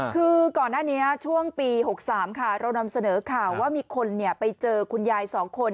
คือก่อนหน้านี้ช่วงปี๖๓ค่ะเรานำเสนอข่าวว่ามีคนไปเจอคุณยาย๒คน